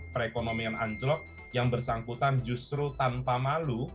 perekonomian anjlok yang bersangkutan justru tanpa malu